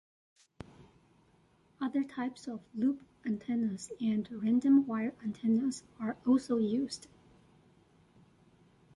Other types of loop antennas and random wire antennas are also used.